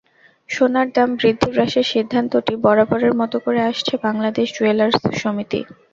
সোনার দাম বৃদ্ধি হ্রাসের সিদ্ধান্তটি বরাবরের মতো করে আসছে বাংলাদেশ জুয়েলার্স সমিতি।